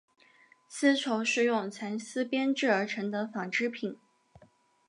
丝绸是用蚕丝编制而成的纺织品。